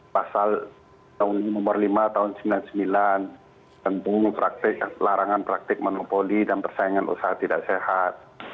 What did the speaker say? pasal tahun ini nomor lima tahun sembilan puluh sembilan tentang pelarangan praktik monopoli dan persaingan usaha tidak sehat